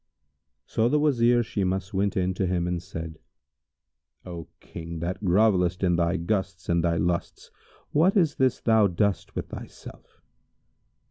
So the Wazir Shimas went in to him and said, "O King, that grovellest in thy gusts and thy lusts, what is this thou dost with thyself?